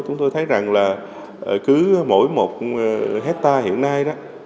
chúng tôi thấy rằng là cứ mỗi một hectare hiện nay đó